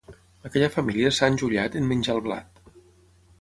Aquella família s'ha enjullat en menjar el blat.